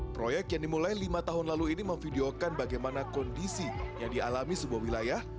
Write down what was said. proyek yang dimulai lima tahun lalu ini memvideokan bagaimana kondisi yang dialami sebuah wilayah